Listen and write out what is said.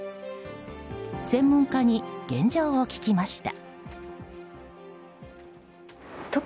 専門家に現状を聞きました。